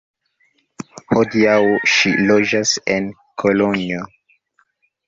Hodiaŭ ŝi loĝas en Kolonjo.